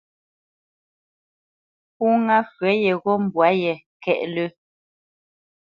Pó ŋá pfə yeghó mbwǎ yé ŋkwɛ́t lə̂.